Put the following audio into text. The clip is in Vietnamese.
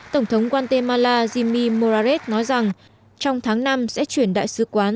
tổng thống guatemala zimi morales nói rằng trong tháng năm sẽ chuyển đại sứ quán